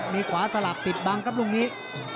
มีขวาสลับปิดบังครับลูกนี้